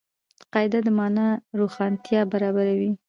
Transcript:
قاعده د مانا روښانتیا برابروي.